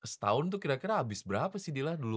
setahun tuh kira kira abis berapa sih dila dulu